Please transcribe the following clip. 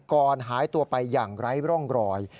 ก่อนหายตัวไปอย่างไร้ร่องรอย